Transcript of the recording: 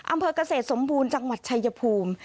อำเภอกเกษตรสมบูรณ์จังหวัดชายภูมิ